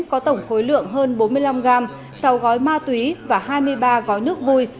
có tổng khối lượng hơn bốn mươi năm gram sáu gói ma túy và hai mươi ba gói nước vui